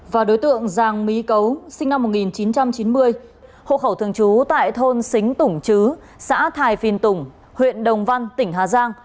và đối tượng giang mỹ cấu sinh năm một nghìn chín trăm chín mươi hộ khẩu thường trú tại thôn xính tủng chứ xã thài phiên tùng huyện đồng văn tỉnh hà giang